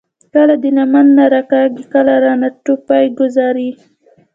کله د لمن نه راکاږي، کله رانه ټوپۍ ګوذاري ـ